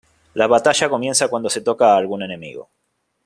La batalla comienza cuando se toca a algún enemigo.